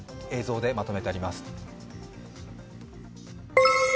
映像でまとめてあります。